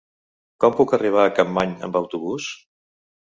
Com puc arribar a Capmany amb autobús?